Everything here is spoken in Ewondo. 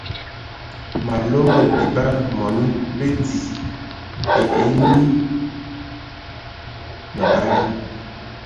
Malom bə bie bam mɔni bidi ai enyi məbala.